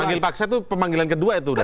panggil paksa itu pemanggilan kedua ya